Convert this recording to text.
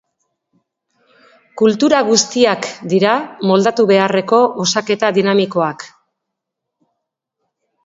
Kultura guztiak dira moldatu beharreko osaketa dinamikoak.